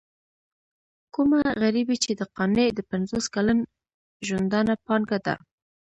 کومه غريبي چې د قانع د پنځوس کلن ژوندانه پانګه ده.